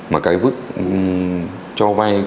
mà cái vứt cho vay